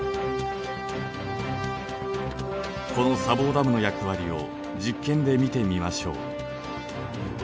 この砂防ダムの役割を実験で見てみましょう。